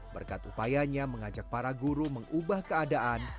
berkat upayanya mengajak para guru mengubah keadaan